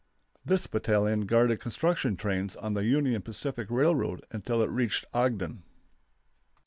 This battalion guarded construction trains on the Union Pacific Railroad until it reached Ogden.